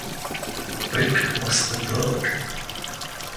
Rick musste würgen.